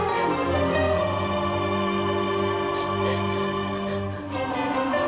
hapuslah rasa cinta di hati kamu